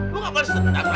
lu ga boleh setendang